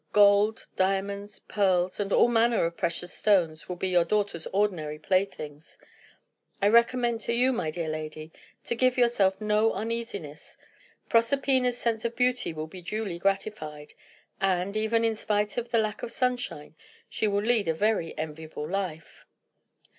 Gold, diamonds, pearls, and all manner of precious stones will be your daughter's ordinary playthings. I recommend to you, my dear lady, to give yourself no uneasiness. Proserpina's sense of beauty will be duly gratified, and, even in spite of the lack of sunshine, she will lead a very enviable life."